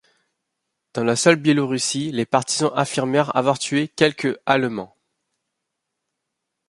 Dans la seule Biélorussie, les partisans affirmèrent avoir tué quelque allemands.